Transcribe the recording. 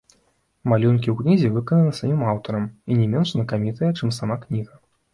Малюнкі ў кнізе выкананы самім аўтарам і не менш знакамітыя, чым сама кніга.